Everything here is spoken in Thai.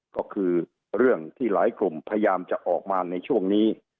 ก็คือเรื่องที่หลายกลุ่มพยายามจะออกมาในช่วงนี้